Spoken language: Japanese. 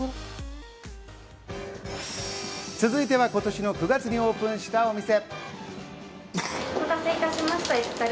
続いては今年の９月にオープンしたお店。